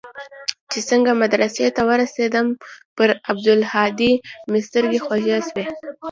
چې څنگه مدرسې ته ورسېدم پر عبدالهادي مې سترګې خوږې سوې.